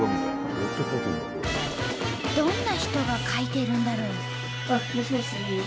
どんな人が描いてるんだろう？